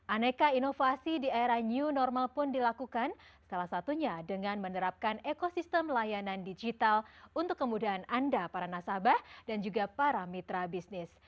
aneka inovasi di era new normal pun dilakukan salah satunya dengan menerapkan ekosistem layanan digital untuk kemudahan anda para nasabah dan juga para mitra bisnis